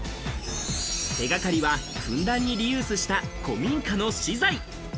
手掛かりはふんだんにリユースした古民家の資材。